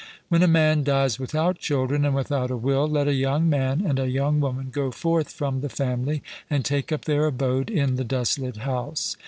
When a man dies without children and without a will, let a young man and a young woman go forth from the family and take up their abode in the desolate house.